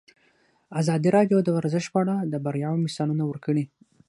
ازادي راډیو د ورزش په اړه د بریاوو مثالونه ورکړي.